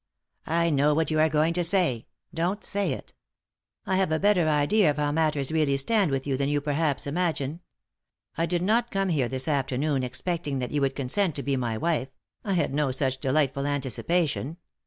" I know what you are going to say; don't say it. I have a better idea of how matters really stand with you than you perhaps imagine. I did not come here this afternoon expecting that you would consent to be my wife, I had no such delightful anticipation.